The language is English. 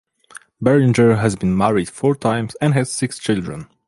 Berenger has been married four times and has six children.